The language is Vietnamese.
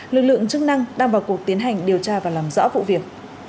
lực lượng chức năng đang vào cuộc tiến hành điều tra và làm rõ vụ việc